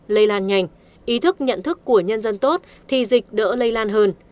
lây lan nhanh ý thức nhận thức của nhân dân tốt thì dịch đỡ lây lan hơn